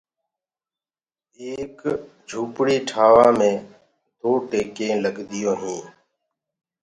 ايڪ جُهپڙي ٺآوآ مي دو ٽيڪينٚ لگديٚونٚ هينٚ۔